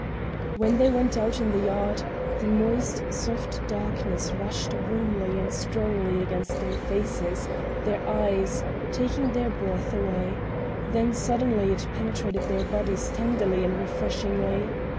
When they went out in the yard, the moist, soft darkness rushed warmly and strongly against their faces, their eyes, taking their breath away, then suddenly it penetrated their bodies tenderly and refreshingly.